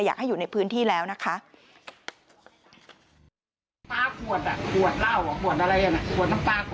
ฝ้าขวดไล่อ่ะหัวเล่าขวดอะไรอ่ะ